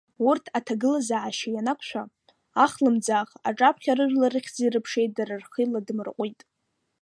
Урҭ аҭагылазаашьа ианақәшәа, ахлымӡаах аҿаԥхьа рыжәлар рыхьӡи-рыԥшеи дара рхи ладмырҟәит.